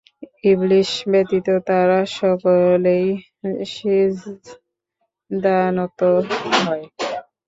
ইবলীস ব্যতীত তারা সকলেই সিজদাবনত হয়।